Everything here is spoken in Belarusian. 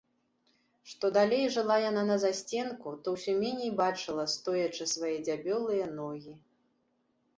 Што далей жыла яна на засценку, то ўсё меней бачыла, стоячы, свае дзябёлыя ногі.